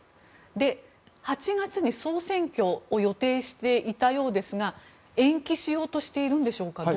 ８月に総選挙を予定していたようですが延期しようとしているんでしょうか。